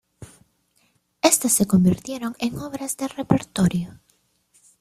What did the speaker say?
Estas se convirtieron en obras de repertorio.